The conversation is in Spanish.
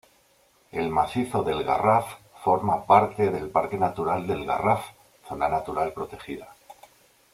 El macizo del Garraf forma parte del parque natural del Garraf, zona natural protegida.